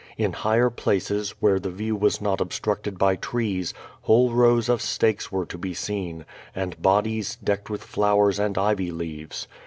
In higher places, where the view was not ob structed by trees, whole rows of stakes were to be seen, and bodies decked with flowers and ivy leaves.